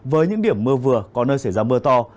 với những điểm mưa vừa có nơi xảy ra mưa to